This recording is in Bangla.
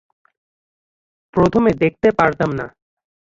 প্রথমে দেখতে পারতাম না।